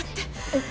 えっ？